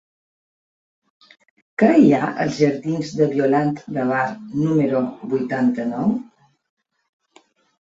Què hi ha als jardins de Violant de Bar número vuitanta-nou?